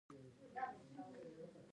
ژوند څنګه دوام لري؟